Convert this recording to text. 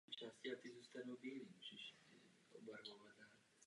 Přítomnost náboženských symbolů není projevem náboženské diskriminace ani nucení.